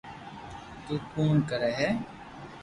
تو ڪوڙ ڪري ھي